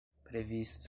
prevista